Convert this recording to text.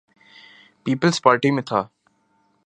Peoples party میں تھا۔